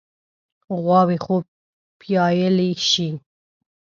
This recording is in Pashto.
غواوې خو پيايلی شي.